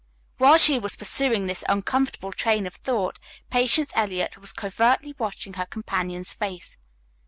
While she was pursuing this uncomfortable train of thought, Patience Eliot was covertly watching her companion's face.